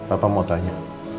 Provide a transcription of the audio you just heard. apa mau tanya